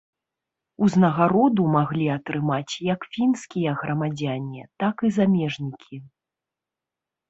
Узнагароду маглі атрымаць як фінскія грамадзяне, так і замежнікі.